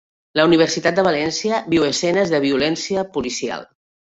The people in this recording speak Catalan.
La Universitat de València viu escenes de violència policial